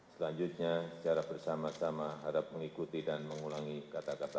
selanjutnya secara bersama sama harap mengikuti dan mengulangi kata kata